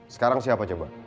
sekarang siapa coba